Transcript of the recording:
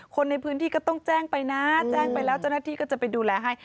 คนในพื้นที่ก็ต้องแจ้งไปนะแจ้งไปแล้วเจ้าหน้าที่ก็จะไปดูแลให้